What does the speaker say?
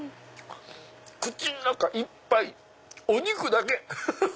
口の中いっぱいお肉だけ。